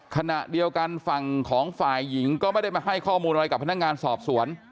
ขณะเดียวกันฝั่งของฝ่ายหญิงก็ไม่ได้มาให้ข้อมูลอะไรกับพนักงานสอบสวน